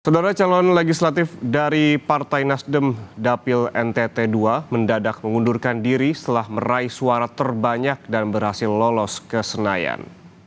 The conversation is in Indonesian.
saudara calon legislatif dari partai nasdem dapil ntt ii mendadak mengundurkan diri setelah meraih suara terbanyak dan berhasil lolos ke senayan